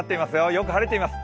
よく晴れています。